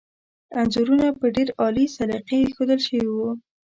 انځورونه په ډېر عالي سلیقې ایښودل شوي وو.